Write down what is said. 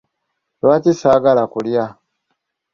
Lwaki saagala kulya?